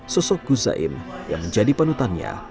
sosok guzaim yang menjadi penutannya